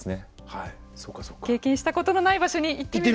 経験したことのない場所に行ってみる。